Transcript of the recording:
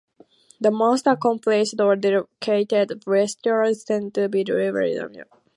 The most accomplished or decorated wrestlers tend to be revered as legends.